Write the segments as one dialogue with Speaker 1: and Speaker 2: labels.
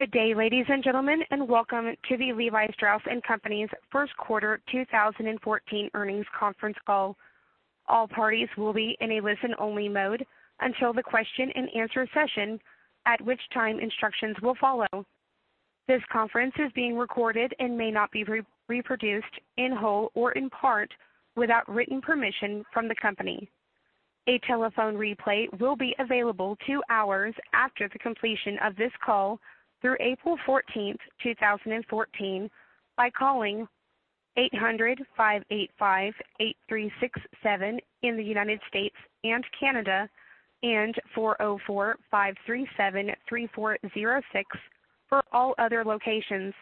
Speaker 1: Good day, ladies and gentlemen, and welcome to the Levi Strauss & Co.'s first quarter 2014 earnings conference call. All parties will be in a listen-only mode until the question and answer session, at which time instructions will follow. This conference is being recorded and may not be reproduced in whole or in part without written permission from the company. A telephone replay will be available two hours after the completion of this call through April 14th, 2014, by calling 800-585-8367 in the United States and Canada, and 404-537-3406 for all other locations.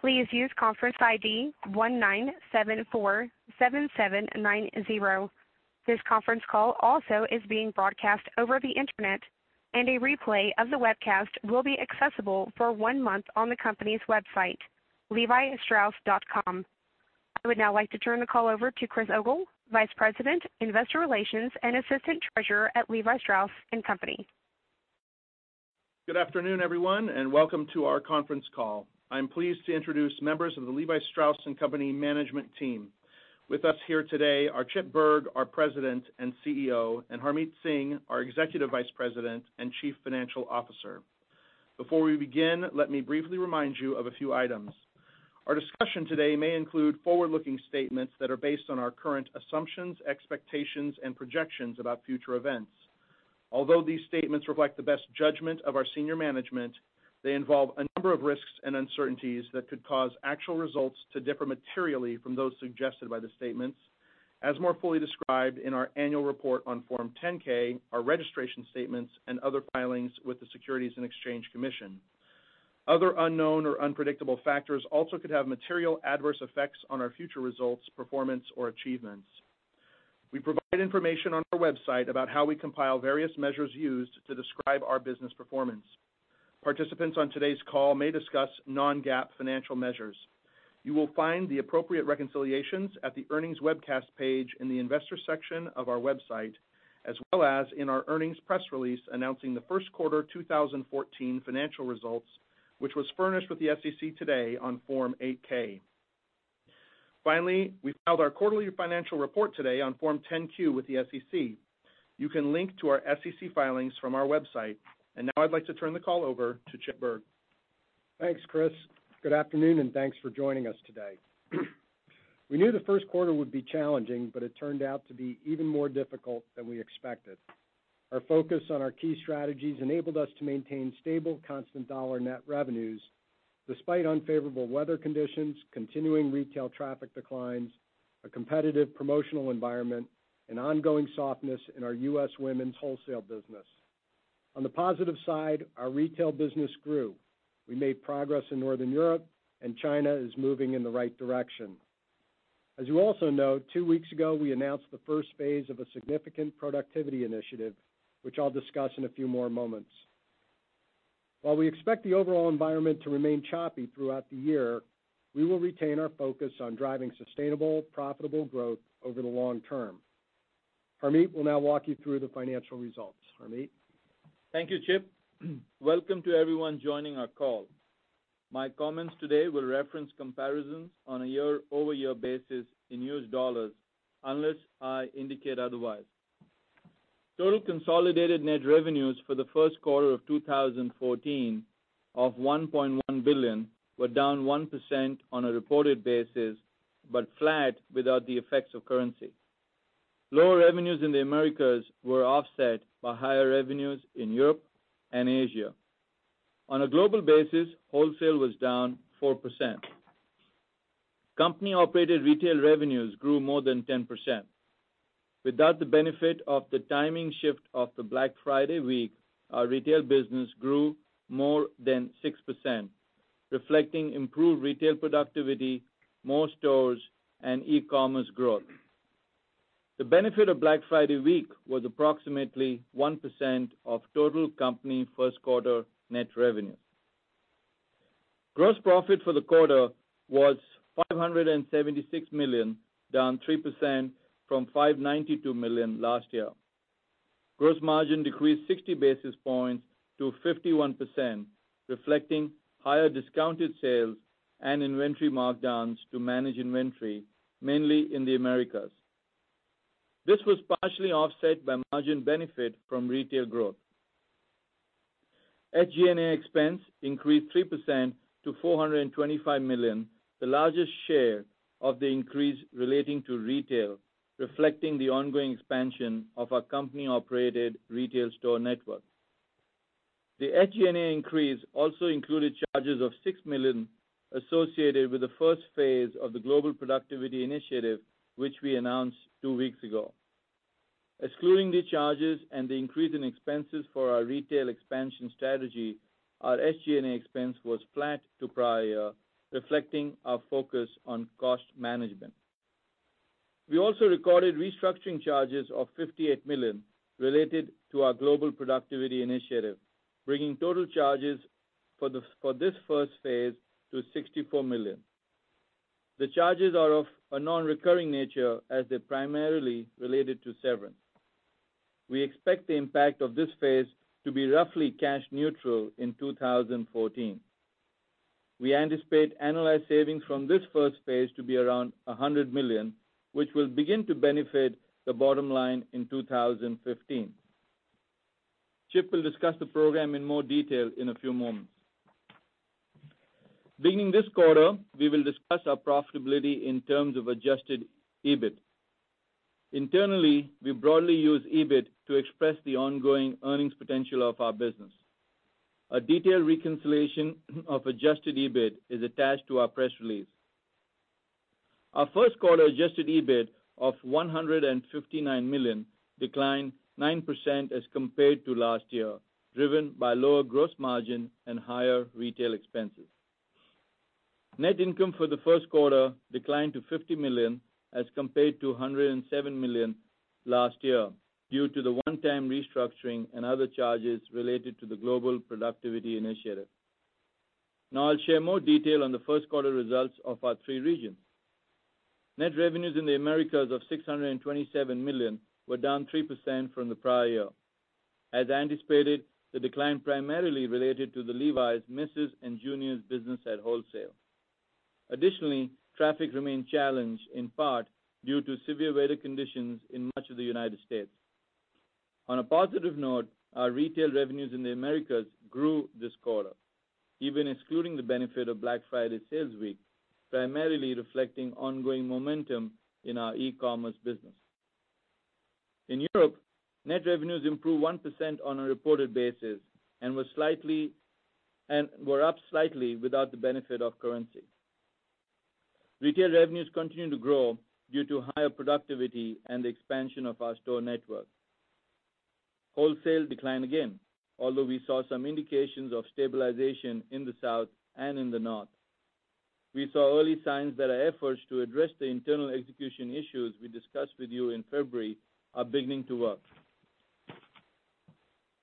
Speaker 1: Please use conference ID 19747790. This conference call also is being broadcast over the internet, and a replay of the webcast will be accessible for one month on the company's website, levistrauss.com. I would now like to turn the call over to Chris Ogle, Vice President, Investor Relations, and Assistant Treasurer at Levi Strauss & Co.
Speaker 2: Good afternoon, everyone, and welcome to our conference call. I'm pleased to introduce members of the Levi Strauss & Co. management team. With us here today are Chip Bergh, our President and CEO, and Harmit Singh, our Executive Vice President and Chief Financial Officer. Before we begin, let me briefly remind you of a few items. Our discussion today may include forward-looking statements that are based on our current assumptions, expectations, and projections about future events. Although these statements reflect the best judgment of our senior management, they involve a number of risks and uncertainties that could cause actual results to differ materially from those suggested by the statements, as more fully described in our annual report on Form 10-K, our registration statements, and other filings with the Securities and Exchange Commission. Other unknown or unpredictable factors also could have material adverse effects on our future results, performance, or achievements. We provide information on our website about how we compile various measures used to describe our business performance. Participants on today's call may discuss non-GAAP financial measures. You will find the appropriate reconciliations at the earnings webcast page in the investor section of our website, as well as in our earnings press release announcing the first quarter 2014 financial results, which was furnished with the SEC today on Form 8-K. Finally, we filed our quarterly financial report today on Form 10-Q with the SEC. You can link to our SEC filings from our website. Now I'd like to turn the call over to Chip Bergh.
Speaker 3: Thanks, Chris. Good afternoon, and thanks for joining us today. We knew the first quarter would be challenging, but it turned out to be even more difficult than we expected. Our focus on our key strategies enabled us to maintain stable, constant dollar net revenues despite unfavorable weather conditions, continuing retail traffic declines, a competitive promotional environment, and ongoing softness in our U.S. women's wholesale business. On the positive side, our retail business grew. We made progress in Northern Europe, and China is moving in the right direction. As you also know, two weeks ago, we announced the first phase of a significant productivity initiative, which I'll discuss in a few more moments. While we expect the overall environment to remain choppy throughout the year, we will retain our focus on driving sustainable, profitable growth over the long term. Harmit will now walk you through the financial results. Harmit?
Speaker 4: Thank you, Chip. Welcome to everyone joining our call. My comments today will reference comparisons on a year-over-year basis in U.S. dollars, unless I indicate otherwise. Total consolidated net revenues for the first quarter of 2014 of $1.1 billion were down 1% on a reported basis, but flat without the effects of currency. Lower revenues in the Americas were offset by higher revenues in Europe and Asia. On a global basis, wholesale was down 4%. Company-operated retail revenues grew more than 10%. Without the benefit of the timing shift of the Black Friday week, our retail business grew more than 6%, reflecting improved retail productivity, more stores, and e-commerce growth. The benefit of Black Friday week was approximately 1% of total company first quarter net revenues. Gross profit for the quarter was $576 million, down 3% from $592 million last year. Gross margin decreased 60 basis points to 51%, reflecting higher discounted sales and inventory markdowns to manage inventory, mainly in the Americas. This was partially offset by margin benefit from retail growth. SG&A expense increased 3% to $425 million, the largest share of the increase relating to retail, reflecting the ongoing expansion of our company-operated retail store network. The SG&A increase also included charges of $6 million associated with the first phase of the global productivity initiative, which we announced two weeks ago. Excluding the charges and the increase in expenses for our retail expansion strategy, our SG&A expense was flat to prior year, reflecting our focus on cost management. We also recorded restructuring charges of $58 million related to our global productivity initiative, bringing total charges for this first phase to $64 million. The charges are of a non-recurring nature as they're primarily related to severance. We expect the impact of this phase to be roughly cash neutral in 2014. We anticipate annualized savings from this first phase to be around $100 million, which will begin to benefit the bottom line in 2015. Chip will discuss the program in more detail in a few moments. Beginning this quarter, we will discuss our profitability in terms of adjusted EBIT. Internally, we broadly use EBIT to express the ongoing earnings potential of our business. A detailed reconciliation of adjusted EBIT is attached to our press release. Our first quarter adjusted EBIT of $159 million declined 9% as compared to last year, driven by lower gross margin and higher retail expenses. Net income for the first quarter declined to $50 million as compared to $107 million last year due to the one-time restructuring and other charges related to the global productivity initiative. Now I'll share more detail on the first quarter results of our three regions. Net revenues in the Americas of $627 million were down 3% from the prior year. As anticipated, the decline primarily related to the Levi's Misses and Juniors business at wholesale. Additionally, traffic remained challenged in part due to severe weather conditions in much of the U.S. On a positive note, our retail revenues in the Americas grew this quarter, even excluding the benefit of Black Friday sales week, primarily reflecting ongoing momentum in our e-commerce business. In Europe, net revenues improved 1% on a reported basis and were up slightly without the benefit of currency. Retail revenues continued to grow due to higher productivity and the expansion of our store network. Wholesale declined again, although we saw some indications of stabilization in the South and in the North. We saw early signs that our efforts to address the internal execution issues we discussed with you in February are beginning to work.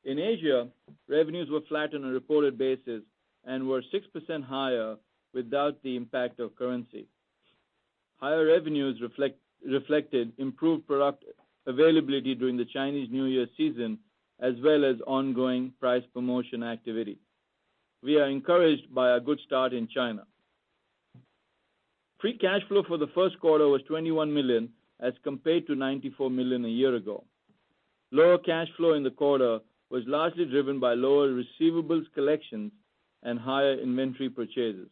Speaker 4: In Asia, revenues were flat on a reported basis and were 6% higher without the impact of currency. Higher revenues reflected improved product availability during the Chinese New Year season, as well as ongoing price promotion activity. We are encouraged by a good start in China. Free cash flow for the first quarter was $21 million as compared to $94 million a year ago. Lower cash flow in the quarter was largely driven by lower receivables collections and higher inventory purchases.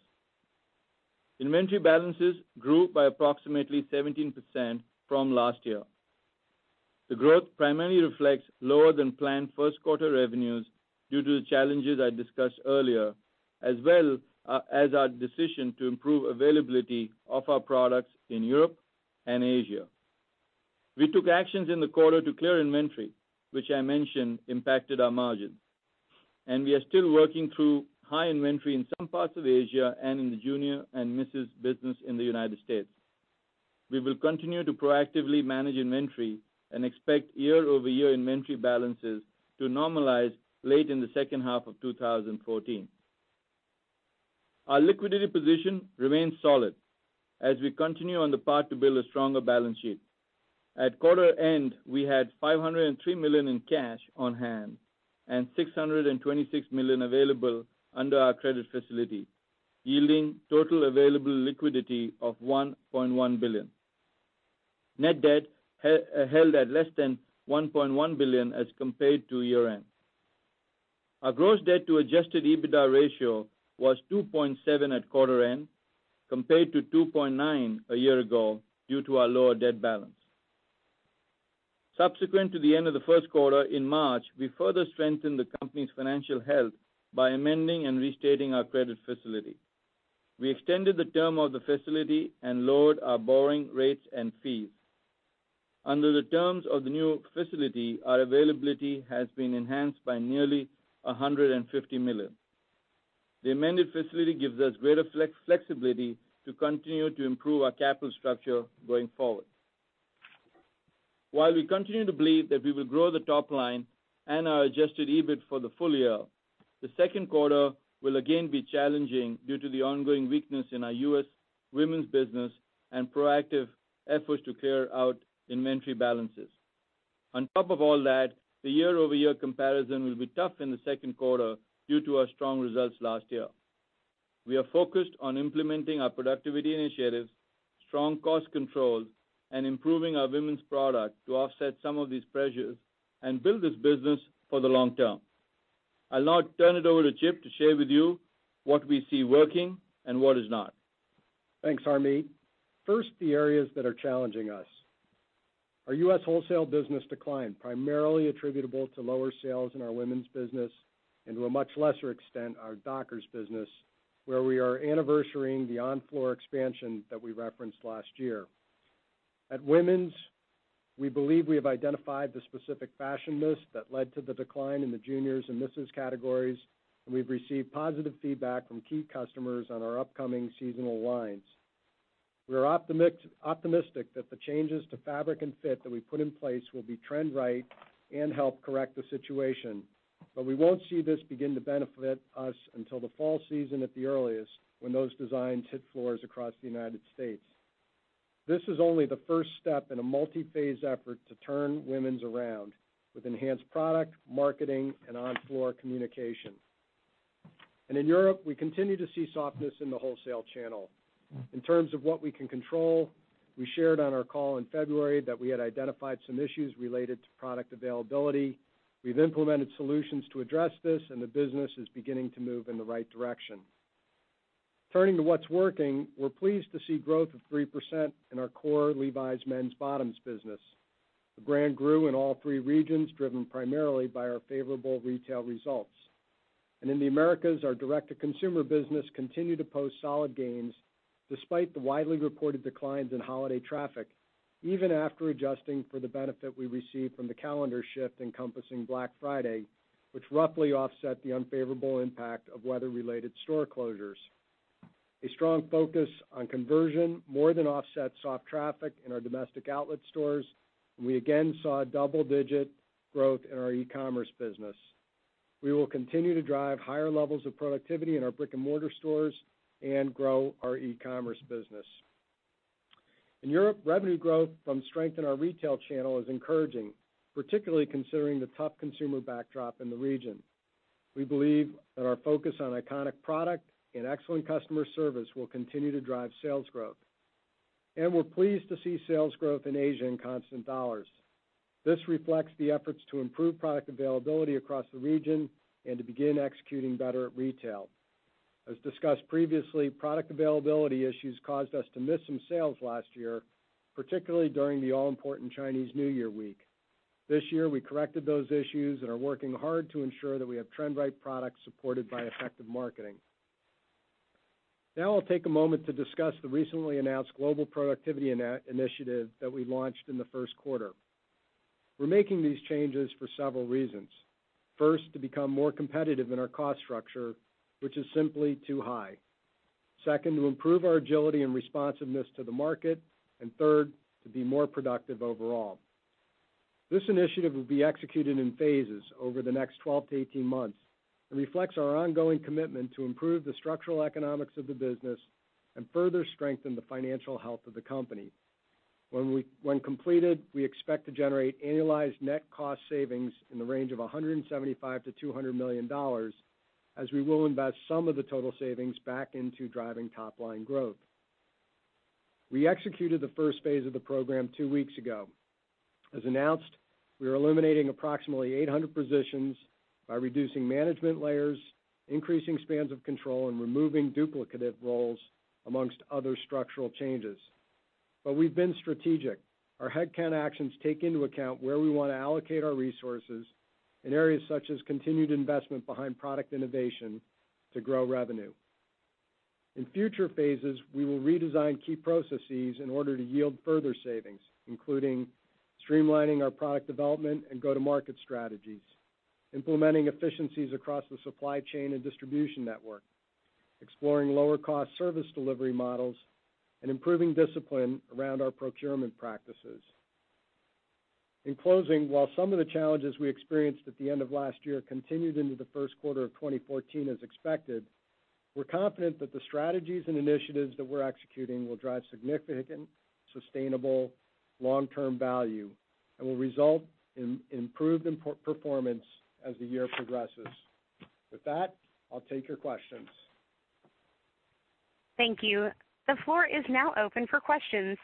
Speaker 4: Inventory balances grew by approximately 17% from last year. The growth primarily reflects lower than planned first quarter revenues due to the challenges I discussed earlier, as well as our decision to improve availability of our products in Europe and Asia. We took actions in the quarter to clear inventory, which I mentioned impacted our margins, and we are still working through high inventory in some parts of Asia and in the Junior and Misses business in the U.S. We will continue to proactively manage inventory and expect year-over-year inventory balances to normalize late in the second half of 2014. Our liquidity position remains solid as we continue on the path to build a stronger balance sheet. At quarter end, we had $503 million in cash on hand and $626 million available under our credit facility, yielding total available liquidity of $1.1 billion. Net debt held at less than $1.1 billion as compared to year-end. Our gross debt to adjusted EBITDA ratio was 2.7 at quarter end, compared to 2.9 a year ago due to our lower debt balance. Subsequent to the end of the first quarter, in March, we further strengthened the company's financial health by amending and restating our credit facility. We extended the term of the facility and lowered our borrowing rates and fees. Under the terms of the new facility, our availability has been enhanced by nearly $150 million. The amended facility gives us greater flexibility to continue to improve our capital structure going forward. While we continue to believe that we will grow the top line and our adjusted EBIT for the full year, the second quarter will again be challenging due to the ongoing weakness in our U.S. women's business and proactive efforts to clear out inventory balances. On top of all that, the year-over-year comparison will be tough in the second quarter due to our strong results last year. We are focused on implementing our productivity initiatives, strong cost controls, and improving our women's product to offset some of these pressures and build this business for the long term. I'll now turn it over to Chip to share with you what we see working and what is not.
Speaker 3: Thanks, Harmit. First, the areas that are challenging us. Our U.S. wholesale business declined, primarily attributable to lower sales in our women's business, and to a much lesser extent, our Dockers business, where we are anniversarying the on-floor expansion that we referenced last year. At women's, we believe we have identified the specific fashion miss that led to the decline in the Juniors and Misses categories, and we've received positive feedback from key customers on our upcoming seasonal lines. We are optimistic that the changes to fabric and fit that we put in place will be trend right and help correct the situation. We won't see this begin to benefit us until the fall season at the earliest, when those designs hit floors across the United States. This is only the first step in a multi-phase effort to turn women's around with enhanced product, marketing, and on-floor communication. In Europe, we continue to see softness in the wholesale channel. In terms of what we can control, we shared on our call in February that we had identified some issues related to product availability. We've implemented solutions to address this, and the business is beginning to move in the right direction. Turning to what's working, we're pleased to see growth of 3% in our core Levi's men's bottoms business. The brand grew in all three regions, driven primarily by our favorable retail results. In the Americas, our direct-to-consumer business continued to post solid gains despite the widely reported declines in holiday traffic, even after adjusting for the benefit we received from the calendar shift encompassing Black Friday, which roughly offset the unfavorable impact of weather-related store closures. A strong focus on conversion more than offset soft traffic in our domestic outlet stores, and we again saw double-digit growth in our e-commerce business. We will continue to drive higher levels of productivity in our brick-and-mortar stores and grow our e-commerce business. In Europe, revenue growth from strength in our retail channel is encouraging, particularly considering the tough consumer backdrop in the region. We believe that our focus on iconic product and excellent customer service will continue to drive sales growth. We're pleased to see sales growth in Asia in constant dollars. This reflects the efforts to improve product availability across the region and to begin executing better at retail. As discussed previously, product availability issues caused us to miss some sales last year, particularly during the all-important Chinese New Year week. This year, we corrected those issues and are working hard to ensure that we have trend-right products supported by effective marketing. Now I'll take a moment to discuss the recently announced global productivity initiative that we launched in the first quarter. We're making these changes for several reasons. First, to become more competitive in our cost structure, which is simply too high. Second, to improve our agility and responsiveness to the market. Third, to be more productive overall. This initiative will be executed in phases over the next 12 to 18 months and reflects our ongoing commitment to improve the structural economics of the business and further strengthen the financial health of the company. When completed, we expect to generate annualized net cost savings in the range of $175 million-$200 million, as we will invest some of the total savings back into driving top-line growth. We executed the first phase of the program two weeks ago. As announced, we are eliminating approximately 800 positions by reducing management layers, increasing spans of control, and removing duplicative roles, amongst other structural changes. We've been strategic. Our headcount actions take into account where we want to allocate our resources in areas such as continued investment behind product innovation to grow revenue. In future phases, we will redesign key processes in order to yield further savings, including streamlining our product development and go-to-market strategies, implementing efficiencies across the supply chain and distribution network, exploring lower-cost service delivery models, and improving discipline around our procurement practices. In closing, while some of the challenges we experienced at the end of last year continued into the first quarter of 2014 as expected, we're confident that the strategies and initiatives that we're executing will drive significant, sustainable, long-term value and will result in improved performance as the year progresses. With that, I'll take your questions.
Speaker 1: Thank you. The floor is now open for questions.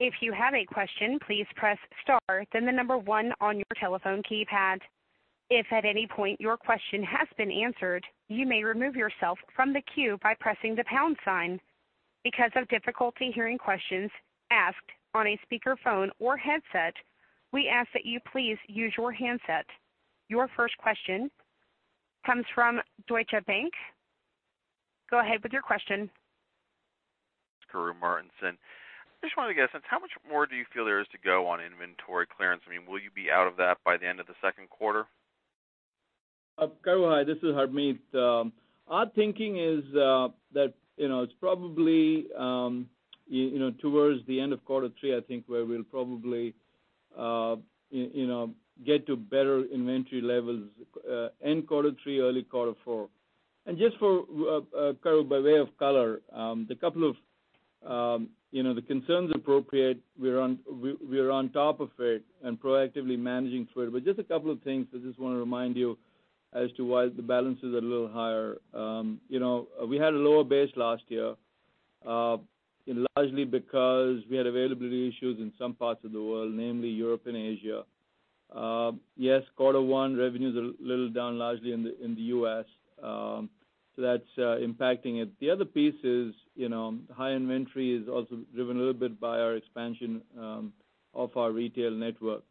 Speaker 1: If you have a question, please press star then the number one on your telephone keypad. If at any point your question has been answered, you may remove yourself from the queue by pressing the pound sign. Because of difficulty hearing questions asked on a speakerphone or headset, we ask that you please use your handset. Your first question comes from Deutsche Bank. Go ahead with your question.
Speaker 5: Karru Martinson. I just wanted to get a sense, how much more do you feel there is to go on inventory clearance? Will you be out of that by the end of the second quarter?
Speaker 4: Karru, hi. This is Harmit. Our thinking is that it's probably towards the end of quarter three, where we'll probably get to better inventory levels. End quarter three, early quarter four. Just for Karru, by way of color, the concerns are appropriate, we are on top of it and proactively managing through it. Just 2 things I just want to remind you as to why the balance is a little higher. We had a lower base last year, largely because we had availability issues in some parts of the world, namely Europe and Asia. Quarter one revenues are a little down, largely in the U.S., so that's impacting it. The other piece is high inventory is also driven a little bit by our expansion of our retail network.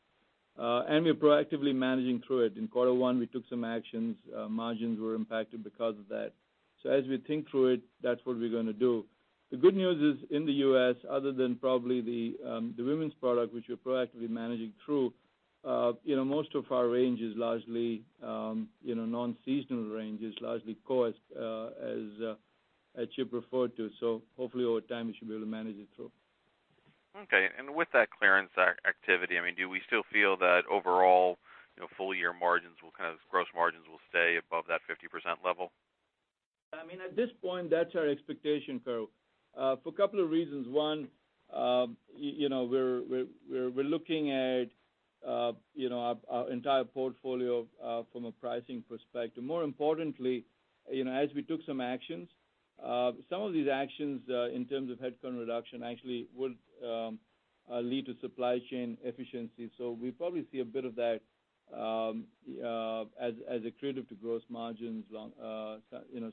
Speaker 4: We're proactively managing through it. In quarter one, we took some actions. Margins were impacted because of that. As we think through it, that's what we're going to do. The good news is, in the U.S., other than probably the women's product, which we're proactively managing through, most of our range is largely non-seasonal range, is largely core, as Chip referred to. Hopefully, over time, we should be able to manage it through.
Speaker 5: Okay. With that clearance activity, do we still feel that overall full year gross margins will stay above that 50% level?
Speaker 4: At this point, that's our expectation, Karru, for 2 reasons. One, we're looking at our entire portfolio from a pricing perspective. More importantly, as we took some actions, some of these actions, in terms of head count reduction, actually will lead to supply chain efficiency. We probably see a bit of that as accretive to gross margins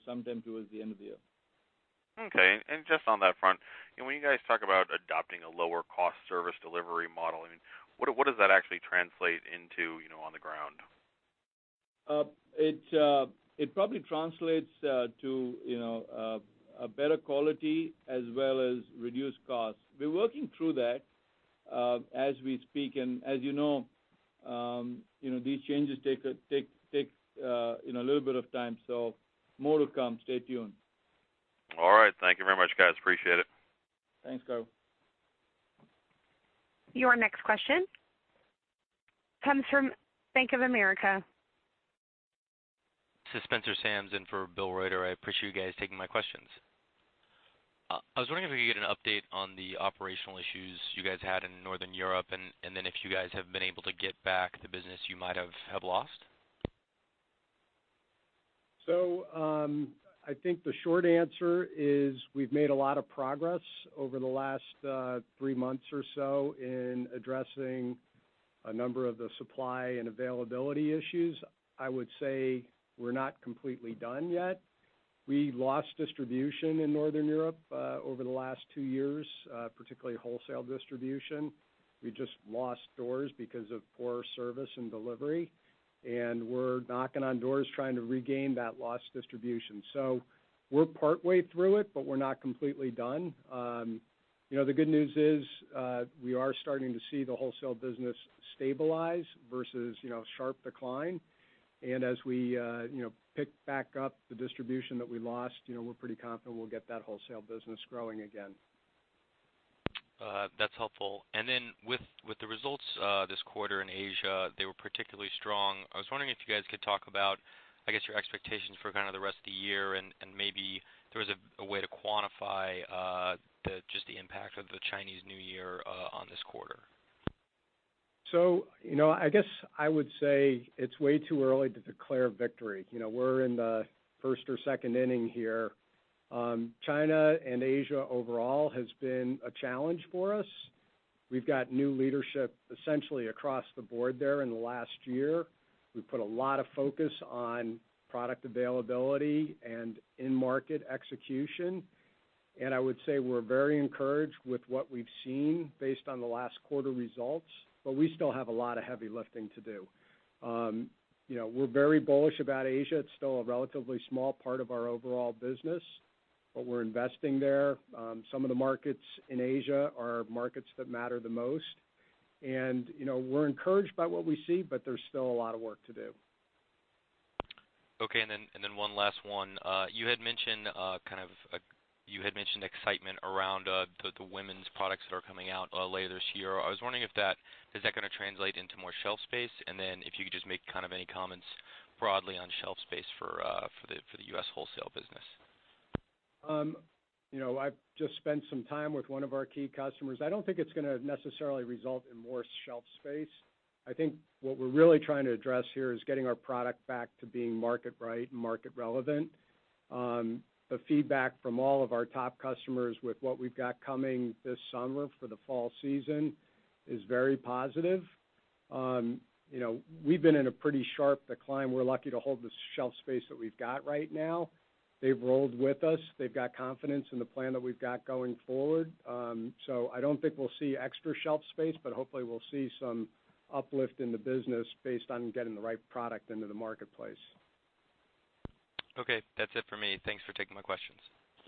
Speaker 4: sometime towards the end of the year.
Speaker 5: Okay. Just on that front, when you guys talk about adopting a lower cost service delivery model, what does that actually translate into on the ground?
Speaker 4: It probably translates to a better quality as well as reduced costs. We're working through that as we speak, and as you know these changes take a little bit of time. More to come. Stay tuned.
Speaker 5: All right. Thank you very much, guys. Appreciate it.
Speaker 4: Thanks, Karru.
Speaker 1: Your next question comes from Bank of America.
Speaker 6: This is Spencer Sams in for Bill Reuter. I appreciate you guys taking my questions. I was wondering if we could get an update on the operational issues you guys had in Northern Europe, then if you guys have been able to get back the business you might have lost.
Speaker 3: I think the short answer is we've made a lot of progress over the last three months or so in addressing a number of the supply and availability issues. I would say we're not completely done yet. We lost distribution in Northern Europe over the last two years, particularly wholesale distribution. We just lost stores because of poor service and delivery, we're knocking on doors trying to regain that lost distribution. We're partway through it, but we're not completely done. The good news is, we are starting to see the wholesale business stabilize versus sharp decline. As we pick back up the distribution that we lost, we're pretty confident we'll get that wholesale business growing again.
Speaker 6: That's helpful. Then with the results this quarter in Asia, they were particularly strong. I was wondering if you guys could talk about, I guess, your expectations for kind of the rest of the year and, maybe there was a way to quantify just the impact of the Chinese New Year on this quarter.
Speaker 3: I guess I would say it's way too early to declare victory. We're in the first or second inning here. China and Asia overall has been a challenge for us. We've got new leadership essentially across the board there in the last year. We've put a lot of focus on product availability and in-market execution, and I would say we're very encouraged with what we've seen based on the last quarter results, but we still have a lot of heavy lifting to do. We're very bullish about Asia. It's still a relatively small part of our overall business, but we're investing there. Some of the markets in Asia are markets that matter the most, and we're encouraged by what we see, but there's still a lot of work to do.
Speaker 6: Okay. One last one. You had mentioned excitement around the women's products that are coming out later this year. I was wondering, is that going to translate into more shelf space? If you could just make any comments broadly on shelf space for the U.S. wholesale business.
Speaker 3: I've just spent some time with one of our key customers. I don't think it's going to necessarily result in more shelf space. I think what we're really trying to address here is getting our product back to being market right and market relevant. The feedback from all of our top customers with what we've got coming this summer for the fall season is very positive. We've been in a pretty sharp decline. We're lucky to hold the shelf space that we've got right now. They've rolled with us. They've got confidence in the plan that we've got going forward. I don't think we'll see extra shelf space, but hopefully we'll see some uplift in the business based on getting the right product into the marketplace.
Speaker 6: Okay. That's it for me. Thanks for taking my questions.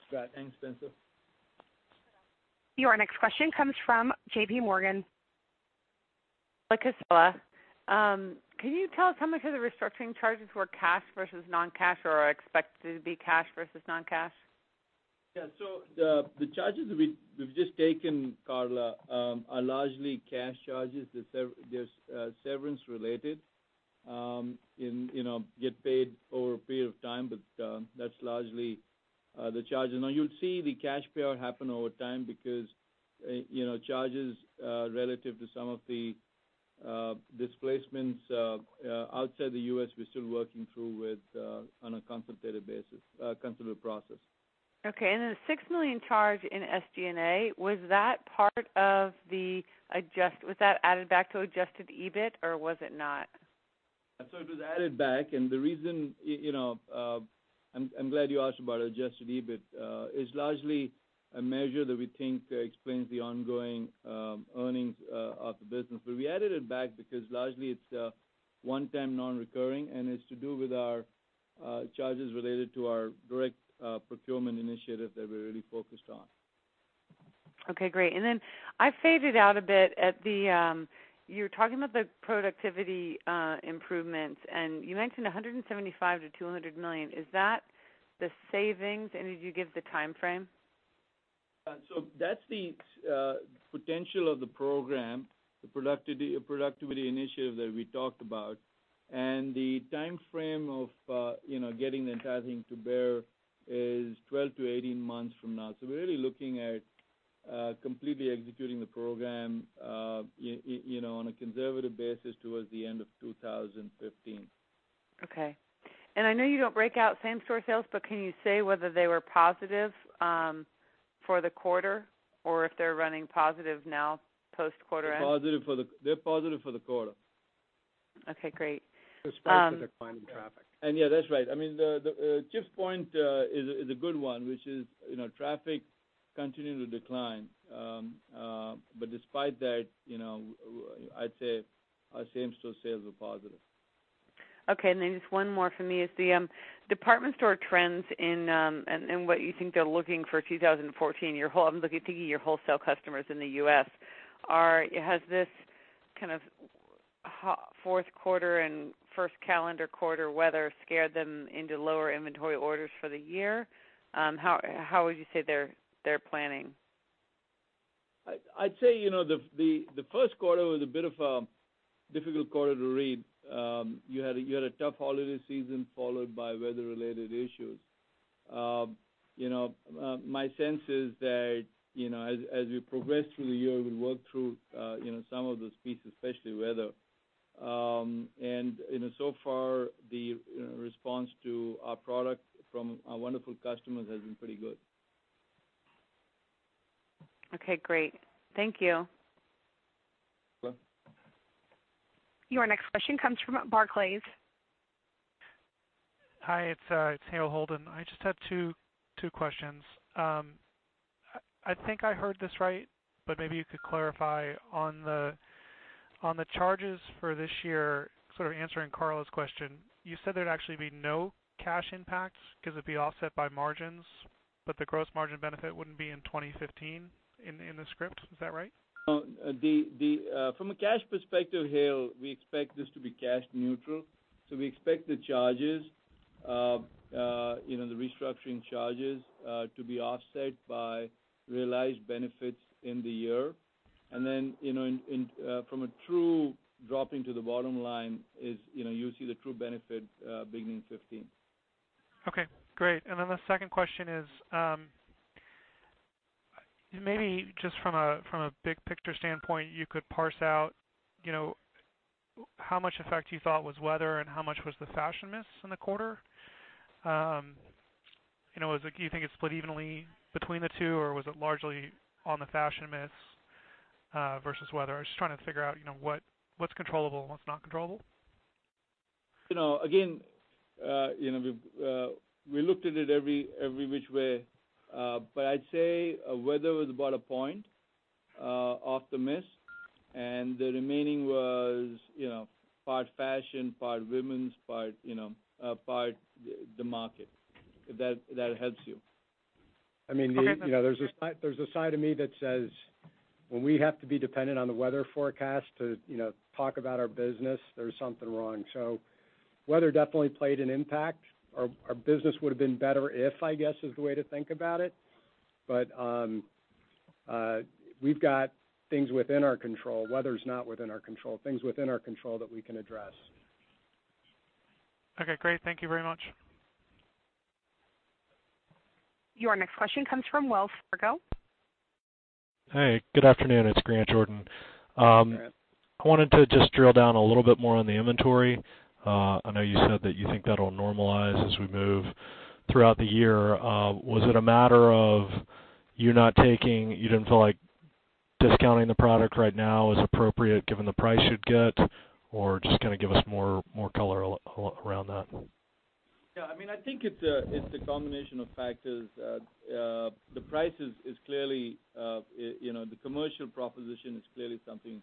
Speaker 3: Scott. Thanks, Spencer.
Speaker 1: Your next question comes from JP Morgan.
Speaker 7: Hi, [Kisla]. Can you tell us how much of the restructuring charges were cash versus non-cash or are expected to be cash versus non-cash?
Speaker 4: Yeah. The charges that we've just taken, Carla, are largely cash charges. They're severance related and get paid over a period of time, but that's largely the charge. Now you'll see the cash payout happen over time because charges relative to some of the displacements outside the U.S., we're still working through with on a consultative process.
Speaker 7: Okay. The $6 million charge in SG&A, was that added back to adjusted EBIT or was it not?
Speaker 4: It was added back and I'm glad you asked about adjusted EBIT. It's largely a measure that we think explains the ongoing earnings of the business. We added it back because largely it's a one-time non-recurring and it's to do with our charges related to our Direct Procurement Initiative that we're really focused on.
Speaker 7: Okay, great. I faded out a bit. You were talking about the productivity improvements, you mentioned $175 million-$200 million. The savings, did you give the timeframe?
Speaker 4: That's the potential of the program, the Productivity Initiative that we talked about. The timeframe of getting the entire thing to bear is 12-18 months from now. We're really looking at completely executing the program on a conservative basis towards the end of 2015.
Speaker 7: Okay. I know you don't break out same-store sales, but can you say whether they were positive for the quarter or if they're running positive now post-quarter end?
Speaker 4: They're positive for the quarter.
Speaker 7: Okay, great.
Speaker 3: Despite the declining traffic.
Speaker 4: Yeah, that's right. Chip's point is a good one, which is, traffic continues to decline. Despite that, I'd say our same-store sales were positive.
Speaker 7: Okay, just one more from me is the department store trends and what you think they're looking for 2014. I'm looking thinking your wholesale customers in the U.S. Has this kind of fourth quarter and first calendar quarter weather scared them into lower inventory orders for the year? How would you say they're planning?
Speaker 4: I'd say, the first quarter was a bit of a difficult quarter to read. You had a tough holiday season followed by weather-related issues. My sense is that, as we progress through the year, we work through some of those pieces, especially weather. So far, the response to our product from our wonderful customers has been pretty good.
Speaker 7: Okay, great. Thank you.
Speaker 4: Welcome.
Speaker 1: Your next question comes from Barclays.
Speaker 8: Hi, it's Hale Holden. I just had two questions. I think I heard this right. Maybe you could clarify on the charges for this year, sort of answering Carla's question. You said there'd actually be no cash impact because it'd be offset by margins. The gross margin benefit wouldn't be in 2015, in the script. Is that right?
Speaker 4: From a cash perspective, Hale, we expect this to be cash neutral. We expect the restructuring charges to be offset by realized benefits in the year. From a true drop into the bottom line is, you'll see the true benefit beginning 2015.
Speaker 8: Okay, great. The second question is, maybe just from a big picture standpoint, you could parse out how much effect you thought was weather and how much was the fashion miss in the quarter. Do you think it split evenly between the two, was it largely on the fashion miss versus weather? I was just trying to figure out what's controllable and what's not controllable.
Speaker 4: We looked at it every which way. I'd say weather was about a point off the miss, and the remaining was part fashion, part women's, part the market. If that helps you.
Speaker 3: There's a side of me that says, when we have to be dependent on the weather forecast to talk about our business, there's something wrong. Weather definitely played an impact. Our business would've been better if, I guess, is the way to think about it. We've got things within our control. Weather's not within our control, things within our control that we can address.
Speaker 8: Okay, great. Thank you very much.
Speaker 1: Your next question comes from Wells Fargo.
Speaker 9: Hey, good afternoon. It's Grant Jordan.
Speaker 4: Grant.
Speaker 9: I wanted to just drill down a little bit more on the inventory. I know you said that you think that'll normalize as we move throughout the year. Was it a matter of you didn't feel like discounting the product right now is appropriate given the price you'd get, or just give us more color around that?
Speaker 4: Yeah, I think it's a combination of factors. The commercial proposition is clearly something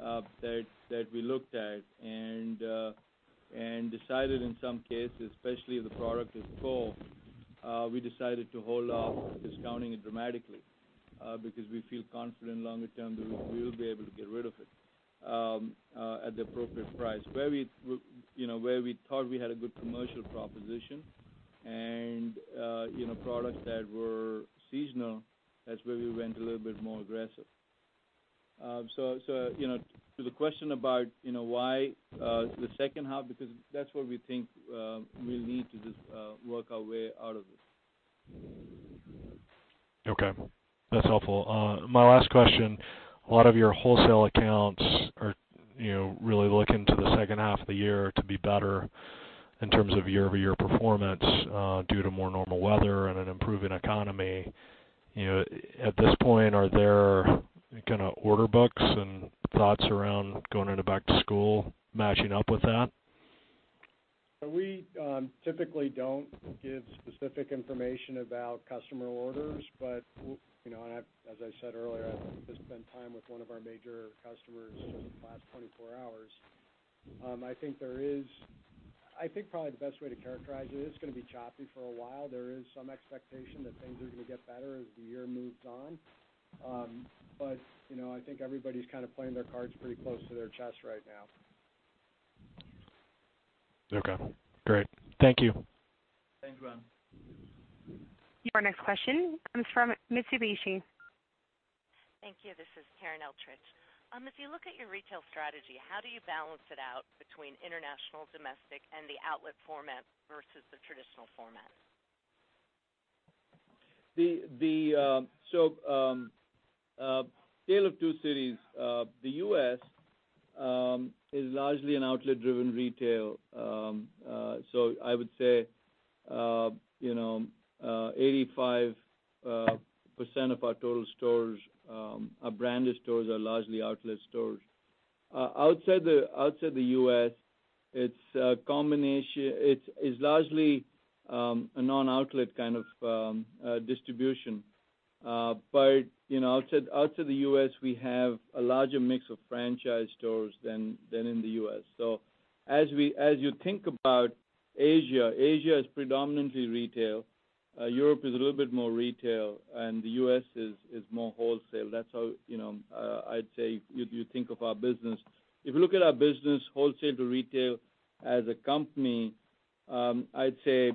Speaker 4: that we looked at and decided in some cases, especially if the product is cold, we decided to hold off discounting it dramatically because we feel confident longer term that we will be able to get rid of it at the appropriate price. Where we thought we had a good commercial proposition and products that were seasonal, that's where we went a little bit more aggressive. To the question about why the second half, because that's where we think we'll need to just work our way out of this.
Speaker 9: Okay. That's helpful. My last question, a lot of your wholesale accounts are really looking to the second half of the year to be better in terms of year-over-year performance due to more normal weather and an improving economy. At this point, are there order books and thoughts around going into back to school matching up with that?
Speaker 3: We typically don't give specific information about customer orders. As I said earlier, I've just spent time with one of our major customers over the last 24 hours. I think probably the best way to characterize it's gonna be choppy for a while. There is some expectation that things are gonna get better as the year moves on. I think everybody's playing their cards pretty close to their chest right now.
Speaker 9: Okay, great. Thank you.
Speaker 4: Thanks, Ron.
Speaker 1: Your next question comes from Mitsubishi.
Speaker 10: Thank you. This is Karen Finerman. If you look at your retail strategy, how do you balance it out between international, domestic, and the outlet format versus the traditional format?
Speaker 4: Tale of two cities. The U.S. is largely an outlet-driven retail. I would say, 85% of our total stores, our branded stores, are largely outlet stores. Outside the U.S., it's largely a non-outlet kind of distribution. Outside the U.S., we have a larger mix of franchise stores than in the U.S. As you think about Asia is predominantly retail. Europe is a little bit more retail, and the U.S. is more wholesale. That's how I'd say, if you think of our business. If you look at our business, wholesale to retail as a company, I'd say,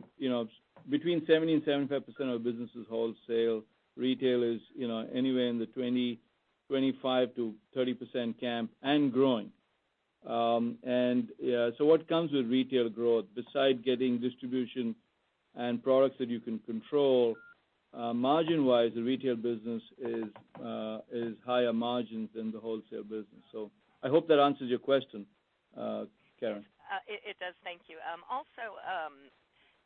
Speaker 4: between 70% and 75% of our business is wholesale. Retail is anywhere in the 20%, 25%-30% camp, and growing. What comes with retail growth, beside getting distribution and products that you can control, margin-wise, the retail business is higher margins than the wholesale business. I hope that answers your question, Karen.
Speaker 10: It does. Thank you. Also,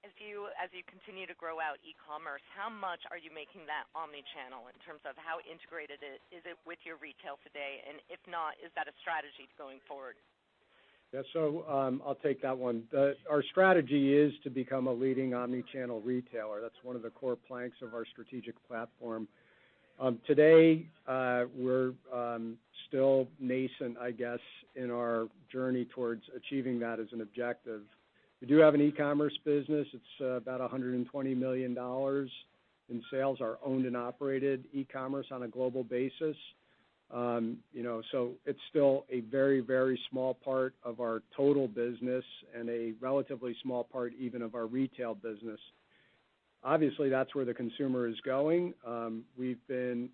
Speaker 10: as you continue to grow out e-commerce, how much are you making that omni-channel in terms of how integrated is it with your retail today? If not, is that a strategy going forward?
Speaker 3: I'll take that one. Our strategy is to become a leading omni-channel retailer. That's one of the core planks of our strategic platform. Today, we're still nascent, I guess, in our journey towards achieving that as an objective. We do have an e-commerce business. It's about $120 million in sales, our owned and operated e-commerce on a global basis. It's still a very small part of our total business and a relatively small part even of our retail business. Obviously, that's where the consumer is going. We've been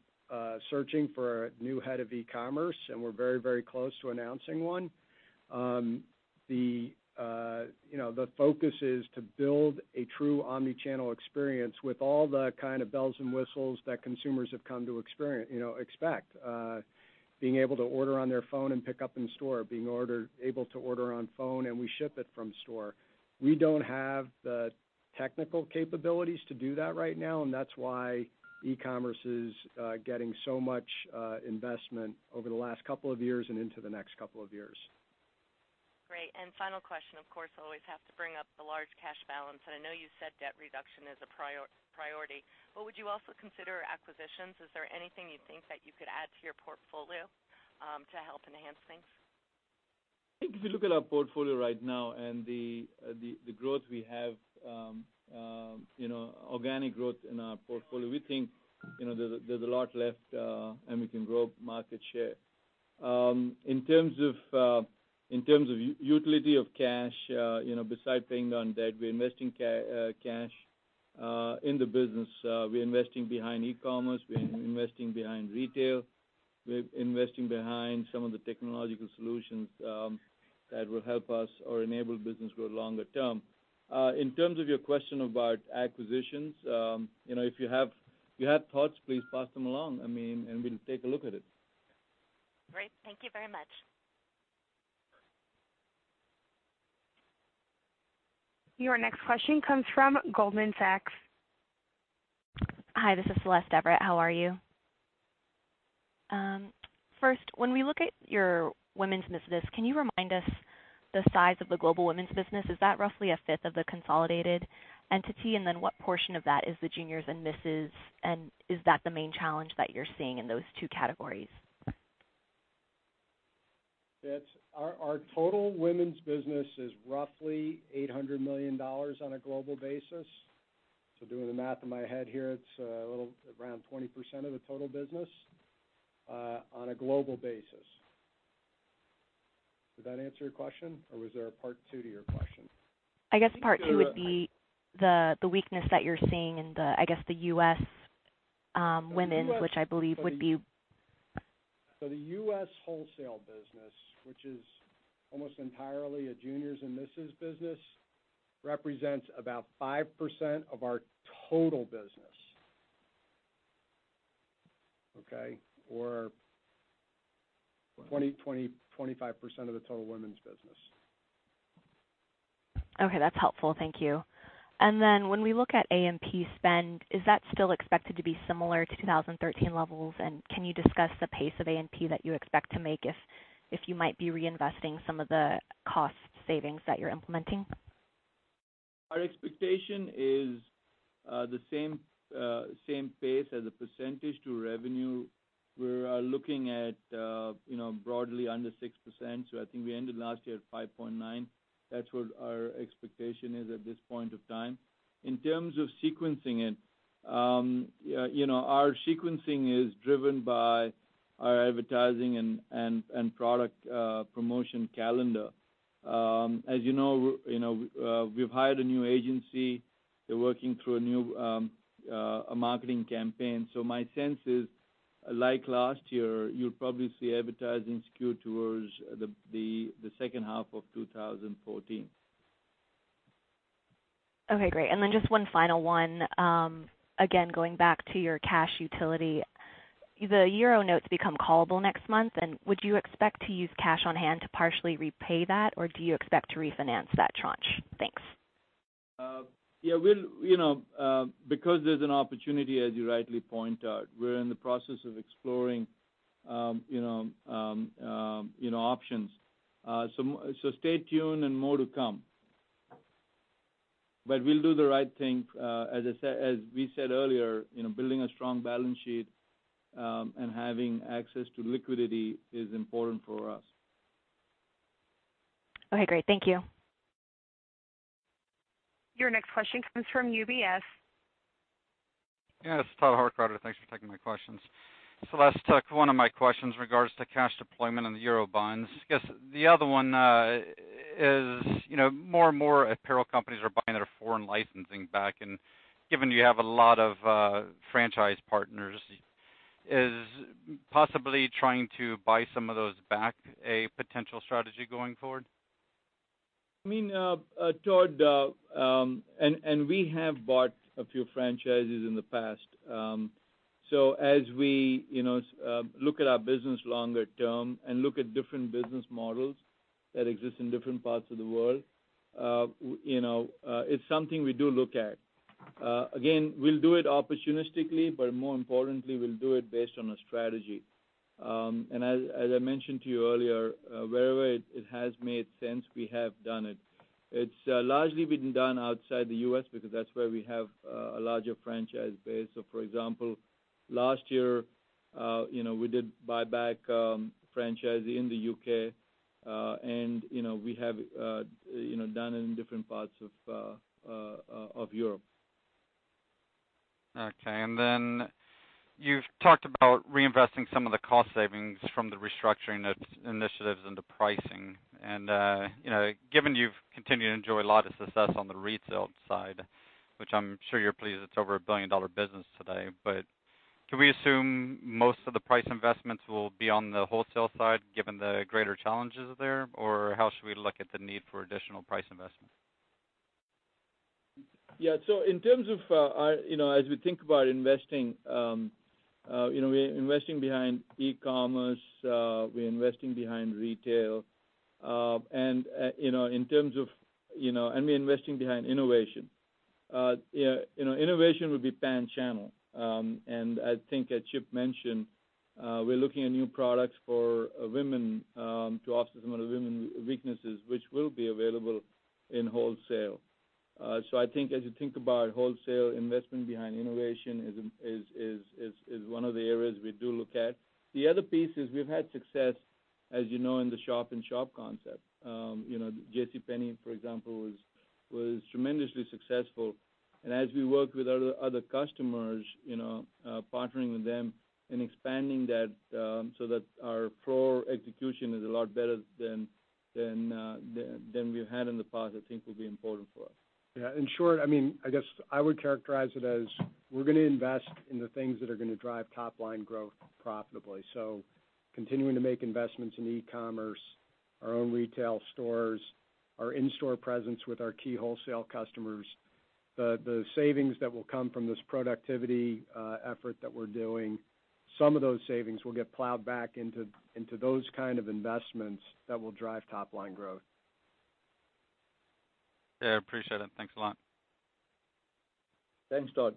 Speaker 3: searching for a new head of e-commerce, and we're very close to announcing one. The focus is to build a true omni-channel experience with all the kind of bells and whistles that consumers have come to expect. Being able to order on their phone and pick up in store. Being able to order on phone, and we ship it from store. We don't have the technical capabilities to do that right now. That's why e-commerce is getting so much investment over the last couple of years and into the next couple of years.
Speaker 10: Great. Final question, of course, always have to bring up the large cash balance. I know you said debt reduction is a priority. Would you also consider acquisitions? Is there anything you think that you could add to your portfolio to help enhance things?
Speaker 4: I think if you look at our portfolio right now and the growth we have, organic growth in our portfolio, we think there's a lot left. We can grow market share. In terms of utility of cash, beside paying down debt, we're investing cash in the business. We're investing behind e-commerce. We're investing behind retail. We're investing behind some of the technological solutions that will help us or enable business growth longer term. In terms of your question about acquisitions, if you have thoughts, please pass them along. We'll take a look at it.
Speaker 10: Great. Thank you very much.
Speaker 1: Your next question comes from Goldman Sachs.
Speaker 11: Hi, this is Celeste Everett. How are you? First, when we look at your women's business, can you remind us the size of the global women's business? Is that roughly a fifth of the consolidated entity? Then what portion of that is the juniors and misses, and is that the main challenge that you're seeing in those two categories?
Speaker 3: Our total women's business is roughly $800 million on a global basis. Doing the math in my head here, it's around 20% of the total business on a global basis. Did that answer your question, or was there a part 2 to your question?
Speaker 11: I guess part 2 would be the weakness that you're seeing in the U.S. women's, which I believe would be.
Speaker 3: The U.S. wholesale business, which is almost entirely a juniors and misses business, represents about 5% of our total business. Okay? Or 25% of the total women's business.
Speaker 11: Okay. That's helpful. Thank you. When we look at A&P spend, is that still expected to be similar to 2013 levels? Can you discuss the pace of A&P that you expect to make if you might be reinvesting some of the cost savings that you're implementing?
Speaker 4: Our expectation is the same pace as a percentage to revenue. We're looking at broadly under 6%, so I think we ended last year at 5.9%. That's what our expectation is at this point of time. In terms of sequencing it, our sequencing is driven by our advertising and product promotion calendar. As you know, we've hired a new agency. They're working through a new marketing campaign. My sense is, like last year, you'll probably see advertising skewed towards the second half of 2014.
Speaker 11: Okay, great. Just one final one. Again, going back to your cash utility. The euro notes become callable next month, and would you expect to use cash on hand to partially repay that, or do you expect to refinance that tranche? Thanks.
Speaker 4: There's an opportunity, as you rightly point out, we're in the process of exploring options. Stay tuned, and more to come. We'll do the right thing. As we said earlier, building a strong balance sheet and having access to liquidity is important for us.
Speaker 11: Okay, great. Thank you.
Speaker 1: Your next question comes from UBS.
Speaker 12: Yes, it's Todd Horkroder. Thanks for taking my questions. That's one of my questions in regards to cash deployment and the euro bonds. I guess the other one is, more and more apparel companies are buying their foreign licensing back, and given you have a lot of franchise partners, is possibly trying to buy some of those back a potential strategy going forward?
Speaker 4: Todd, we have bought a few franchises in the past. As we look at our business longer term and look at different business models that exist in different parts of the world, it's something we do look at. Again, we'll do it opportunistically, but more importantly, we'll do it based on a strategy. As I mentioned to you earlier, wherever it has made sense, we have done it. It's largely been done outside the U.S. because that's where we have a larger franchise base. For example, last year, we did buy back a franchise in the U.K., and we have done it in different parts of Europe.
Speaker 12: Okay. You've talked about reinvesting some of the cost savings from the restructuring initiatives into pricing. Given you've continued to enjoy a lot of success on the retail side, which I'm sure you're pleased it's over a billion-dollar business today, can we assume most of the price investments will be on the wholesale side given the greater challenges there? How should we look at the need for additional price investments?
Speaker 4: Yeah. As we think about investing, we're investing behind e-commerce, we're investing behind retail, and we're investing behind innovation. Innovation will be pan-channel. I think, as Chip mentioned, we're looking at new products for women to offset some of the women weaknesses, which will be available in wholesale. I think as you think about wholesale investment behind innovation is one of the areas we do look at. The other piece is we've had success, as you know, in the shop-in-shop concept. JCPenney, for example, was tremendously successful. As we work with other customers, partnering with them and expanding that so that our floor execution is a lot better than we've had in the past, I think will be important for us.
Speaker 3: Yeah. In short, I guess I would characterize it as we're gonna invest in the things that are gonna drive top-line growth profitably. Continuing to make investments in e-commerce, our own retail stores, our in-store presence with our key wholesale customers. The savings that will come from this productivity effort that we're doing, some of those savings will get plowed back into those kind of investments that will drive top-line growth.
Speaker 12: Yeah, I appreciate it. Thanks a lot.
Speaker 4: Thanks, Todd.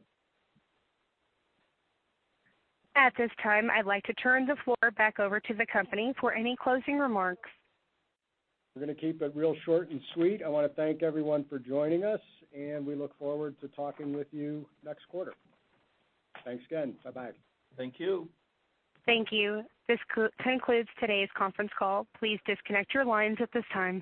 Speaker 1: At this time, I'd like to turn the floor back over to the company for any closing remarks.
Speaker 3: We're gonna keep it real short and sweet. I wanna thank everyone for joining us, and we look forward to talking with you next quarter. Thanks again. Bye-bye.
Speaker 4: Thank you.
Speaker 1: Thank you. This concludes today's conference call. Please disconnect your lines at this time.